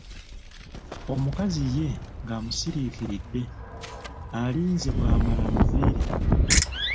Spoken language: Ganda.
Omukazi ye ng'amusiriikiridde, alinze bw'amala amuviire.